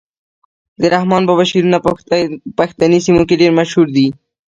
د رحمان بابا شعرونه په پښتني سیمو کي ډیر مشهور دي.